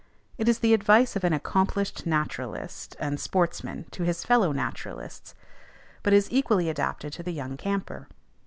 It is the advice of an accomplished naturalist and sportsman to his fellow naturalists, but is equally adapted to the young camper.